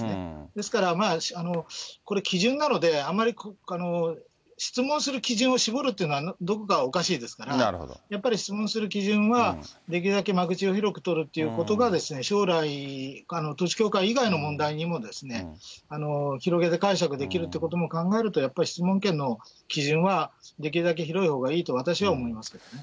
ですから、これ、基準なので、あまり質問する基準を絞るってのは、どこかおかしいですから、やっぱり質問する基準は、できるだけ間口を広く取るということが、将来、統一教会以外の問題にも、広げて解釈できるということも考えると、やっぱり質問権の基準は、できるだけ広いほうがいいと、私は思いますけどね。